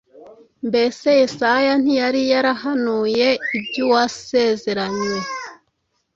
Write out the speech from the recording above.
Mbese Yesaya ntiyari yarahanuye iby’Uwasezeranywe,